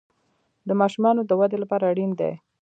د ماشومانو د ودې لپاره اړین دي.